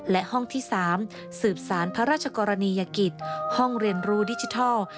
และห้องที่๓สืบสารพระราชกรณียกิจห้องเรียนรู้ดิจิทัล